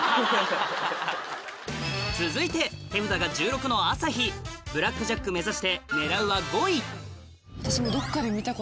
続いて手札が１６の朝日ブラックジャック目指して狙うは５位私も。